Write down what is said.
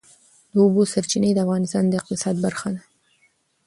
د اوبو سرچینې د افغانستان د اقتصاد برخه ده.